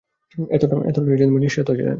এতটাই নিঃস্বার্থ ছিলেন।